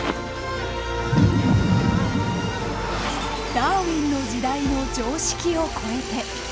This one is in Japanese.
ダーウィンの時代の常識を超えて。